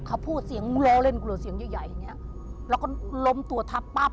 เขาพูดเสียงรอเล่นกูเหรอเสียงใหญ่อย่างนี้แล้วก็ล้มตัวทับป๊าบ